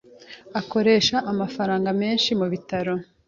Akoresha amafaranga menshi mubitabo .